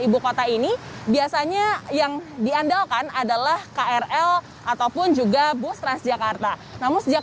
ibu kota ini biasanya yang diandalkan adalah krl ataupun juga bus transjakarta namun sejak